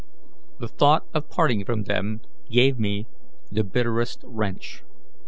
The thought of parting from them gave me the bitterest wrench.